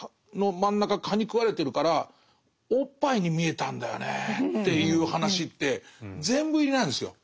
蚊にくわれてるからおっぱいに見えたんだよねっていう話って全部入りなんですよ。